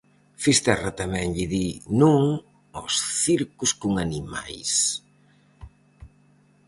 Fisterra tamén lle di non aos circos con animais.